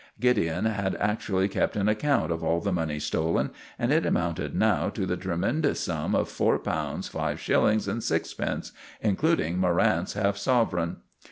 Gideon had actually kept an account of all the money stolen, and it amounted now to the tremendous sum of four pounds five shillings and sixpence, including Morrant's half sovereign.